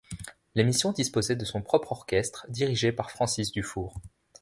L'émission disposait de son propre orchestre, dirigé par Francis Dufour.